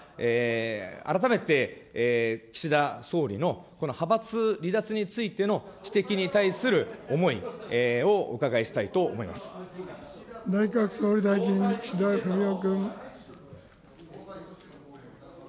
改めて岸田総理のこの派閥離脱についての指摘に対する思いを伺い内閣総理大臣、岸田文雄君。